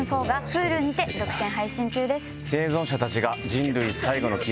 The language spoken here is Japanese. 生存者たちが人類最後の希望の都市